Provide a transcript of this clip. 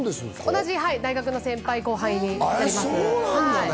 同じ大学の先輩後輩になります。